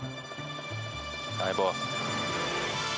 相棒。